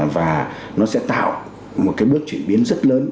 và nó sẽ tạo một cái bước chuyển biến rất lớn